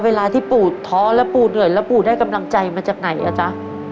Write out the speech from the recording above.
เวลาที่ปู่ท้อแล้วปู่เหนื่อยแล้วปู่ได้กำลังใจมาจากไหนอ่ะจ๊ะ